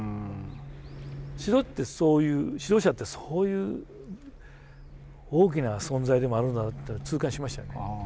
指導ってそういう指導者ってそういう大きな存在でもあるんだなって痛感しましたよね。